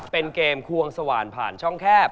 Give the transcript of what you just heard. เป็นเกมควงสว่านผ่านช่องแคบ